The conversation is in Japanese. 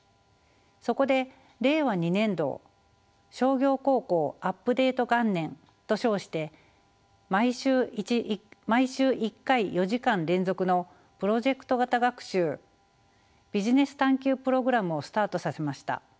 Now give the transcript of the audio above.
そこで令和２年度を商業高校アップデート元年と称して毎週１回４時間連続のプロジェクト型学習ビジネス探究プログラムをスタートさせました。